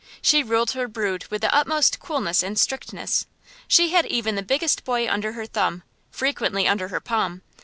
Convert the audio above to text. She ruled her brood with the utmost coolness and strictness. She had even the biggest boy under her thumb, frequently under her palm.